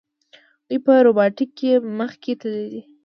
دوی په روباټیک کې مخکې تللي دي.